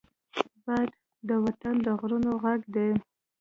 باد د وطن د غرونو غږ دی